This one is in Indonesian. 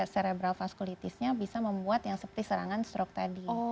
cerebral vasculitisnya bisa membuat yang seperti serangan stroke tadi